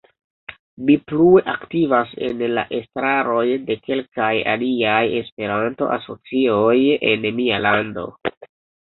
Mi plue aktivas en la estraroj de kelkaj aliaj Esperanto asocioj en mia lando.